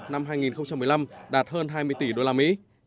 năm hai nghìn một mươi năm đạt hơn hai mươi tỷ đô la mỹ